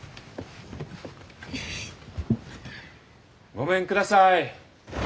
・ごめんください。